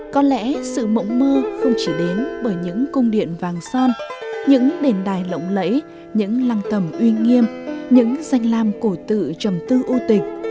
có lẽ sự mộng mơ không chỉ đến bởi những cung điện vàng son những đền đài lộng lẫy những lăng tầm uy nghiêm những danh lam cổ tự trầm tư ưu tịch